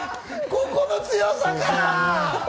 ここの強さか！